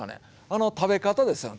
あの食べ方ですよ。